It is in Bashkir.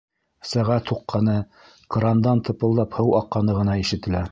Сәғәт һуҡҡаны, крандан тыпылдап һыу аҡҡаны ғына ишетелә.